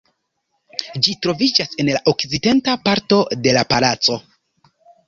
Ĝi troviĝas en la okcidenta parto de la palaco.